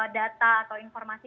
data atau informasi